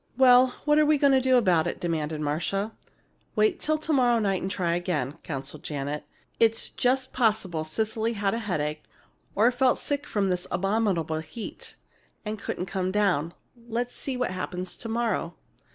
"Well, what are we going to do about it?" demanded Marcia. "Wait till to morrow night and try again," counseled Janet. "It's just possible Cecily had a headache or felt sick from this abominable heat and couldn't come down. Let's see what happens to morrow."